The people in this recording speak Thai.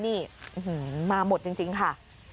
อื้อหือมาหมดจริงค่ะ